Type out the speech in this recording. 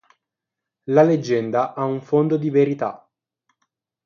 La leggenda ha un fondo di verità.